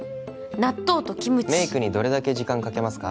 納豆とキムチ「メイクにどれだけ時間かけますか？」